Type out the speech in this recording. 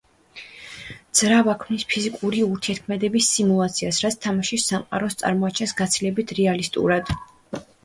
ძრავა ქმნის ფიზიკური ურთიერთქმედების სიმულაციას, რაც თამაშის სამყაროს წარმოაჩენს გაცილებით რეალისტურად.